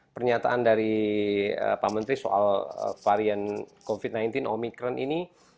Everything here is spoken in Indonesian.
pernyataan dari pak menteri soal varian covid sembilan belas omikron ini